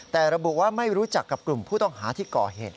แต่ระบุว่าไม่รู้จักกับกลุ่มผู้ต้องหาที่ก่อเหตุ